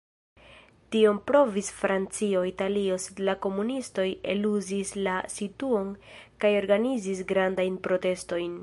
Tion provis Francio, Italio, sed la komunistoj eluzis la situon kaj organizis grandajn protestojn.